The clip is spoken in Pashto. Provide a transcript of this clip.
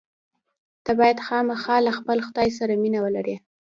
ته باید خامخا له خپل خدای سره مینه ولرې.